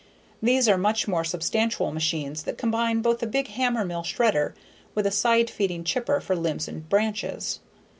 These are much more substantial machines that combine both a big hammermill shredder with a side feeding chipper for limbs and branches.